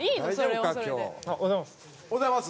おはようございます。